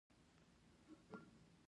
انجونو د مور او پلار دوعاګويه دي.